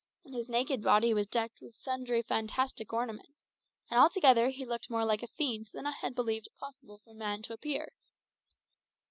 His naked body was decked with sundry fantastic ornaments, and altogether he looked more like a fiend than I had believed it possible for man to appear.